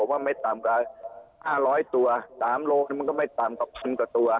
ว่าไม่ต่ำกว่า๕๐๐ตัว๓โลกมันก็ไม่ต่ำกว่าพันกว่าตัว